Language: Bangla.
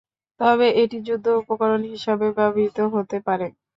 তবে এটি যুদ্ধ উপকরণ হিসাবেও ব্যবহৃত হতে পারে।